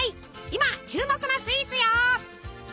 今注目のスイーツよ！